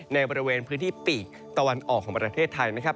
ในบริเวณพื้นที่ปีกตะวันออกของประเทศไทยนะครับ